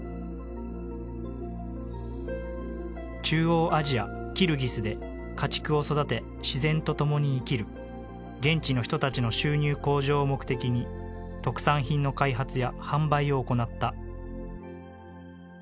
中央アジアキルギスで家畜を育て自然と共に生きる現地の人たちの収入向上を目的に特産品の開発や販売を行った。